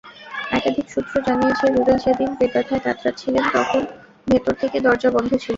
একাধিক সূত্র জানিয়েছে, রুবেল সেদিন পেটব্যথায় কাতরাচ্ছিলেন, তখন ভেতর থেকে দরজা বন্ধ ছিল।